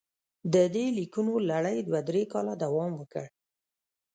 د دې لیکونو لړۍ دوه درې کاله دوام وکړ.